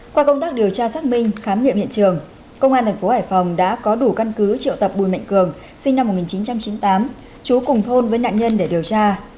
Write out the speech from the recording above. qua công tác điều tra xác minh khám nghiệm hiện trường công an thành phố hải phòng đã có đủ căn cứ triệu tập bùi mạnh cường sinh năm một nghìn chín trăm chín mươi tám chú cùng thôn với nạn nhân để điều tra